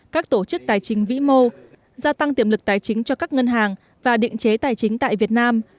các tổ chức tài chính vĩ mô gia tăng tiềm lực tài chính cho các ngân hàng và định chế tài chính tại việt nam